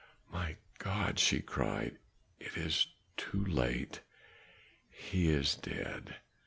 "My God!" she cried, "it is too late; he is dead."